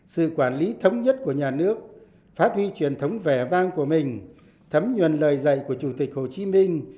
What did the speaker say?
sự quản lý thống nhất của nhà nước phát huy truyền thống vẻ vang của mình thấm nhuần lời dạy của chủ tịch hồ chí minh